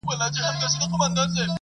زلمي خپه دي څنګونه مړاوي !.